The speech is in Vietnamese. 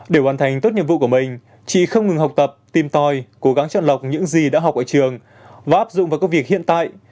để hoàn thành tốt nhiệm vụ của mình chị không ngừng học tập tìm tòi cố gắng chọn lọc những gì đã học ở trường và áp dụng vào công việc hiện tại